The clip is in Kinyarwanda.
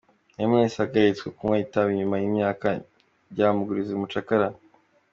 Nameless yahagaritse kunywa itabi nyuma y’imyaka ryaramugize umucakara.